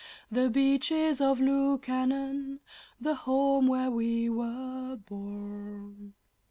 The Beaches of Lukannon the home where we were born!